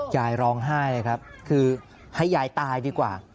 ยายร้องไห้เลยครับคือให้ยายตายดีกว่า